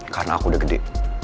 karena aku udah gede